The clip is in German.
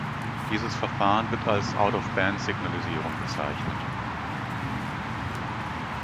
Dieses Verfahren wird als "Out-of-Band-Signalisierung" bezeichnet.